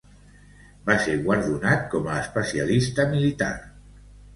Va ser guardonat com a especialista militar.